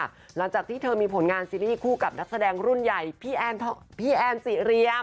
หลังจากที่เธอมีผลงานซีรีส์คู่กับนักแสดงรุ่นใหญ่พี่แอนซีเรียม